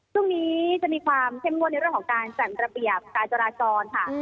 พรุ่งนี้จะมีการเข้มงวดเกี่ยวกับการแจ่งระเบียบการจาราชรค่ะ